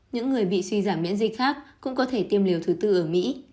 những người bị suy giảm miễn dịch khác cũng có thể tiêm liều thứ tư ở mỹ